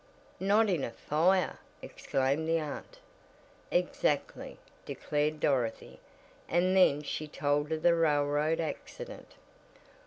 "Not in a fire?" exclaimed the aunt. "Exactly," declared Dorothy, and then she told of the railroad accident.